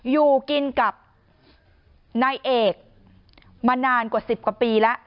อยู่กินกับนายเอกมานานกว่า๑๐กว่าปีแล้ว